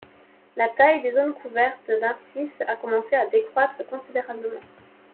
La taille des zones couvertes de narcisses a commencé à décroître considérablement.